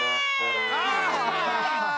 ああ！